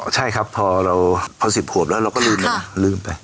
อ้อใช่ครับพอเรา๑๘๐แล้วเราก็ลืมนะลืมไป